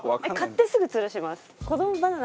買ってすぐ吊るします。